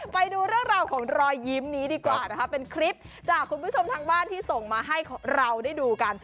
ไปดูเรื่องราวของรอยยิ้มนี้ดีกว่านะคะเป็นคลิปจากคุณผู้ชมทางบ้านที่ส่งมาให้เราได้ดูกัน